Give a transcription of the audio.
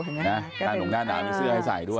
หนูหน้าน้ำมีเสื้อให้ใส่ด้วย